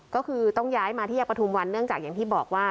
ก็คือต้องย้ายมาที่ยาปฐุมวันเนื่องจากอย่างที่บอกว่า